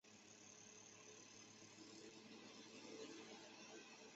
棒花碘泡虫为碘泡科碘泡虫属的动物。